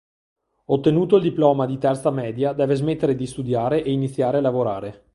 Ottenuto il diploma di terza media, deve smettere di studiare e iniziare a lavorare.